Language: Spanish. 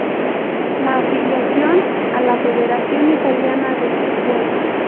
La afiliación a la Federación Italiana de Fútbol.